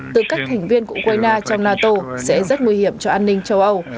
tư cách thành viên của ukraine trong nato sẽ rất nguy hiểm cho an ninh châu âu